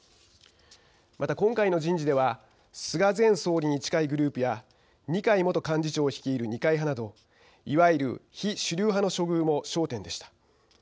また、今回の人事では菅前総理に近いグループや二階元幹事長率いる二階派などいわゆる非主流派の処遇も焦点でした。